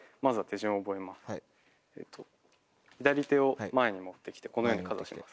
左手を前に持って来てこのようにかざします。